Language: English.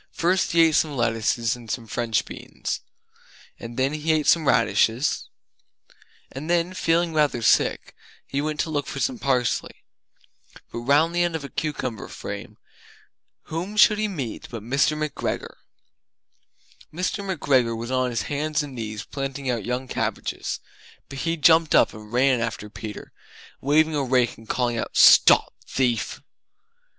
First he ate some lettuces and some French beans And then He Ate Some Radishes And then, feeling rather sick, he went to look for some parsley. But round the end of a cucumber frame, whom should he meet but Mr. McGregor! Mr. McGregor was on his hands and knees planting out young cabbages, but he jumped up and ran after Peter, waving a rake and calling out "Stop thief!"